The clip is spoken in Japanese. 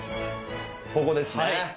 ここですね。